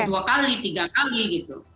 dua kali tiga kali gitu